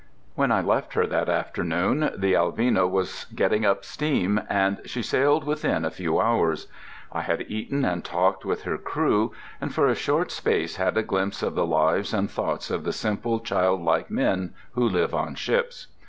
When I left her that afternoon, the Alvina was getting up steam, and she sailed within a few hours. I had eaten and talked with her crew, and for a short space had a glimpse of the lives and thoughts of the simple, childlike men who live on ships.